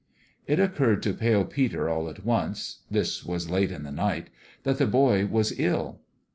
It occurred to Pale Peter, all at once this was late in the night that the boy was ill.